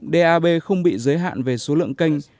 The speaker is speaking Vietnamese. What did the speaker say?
dap không bị giới hạn về số lượng kênh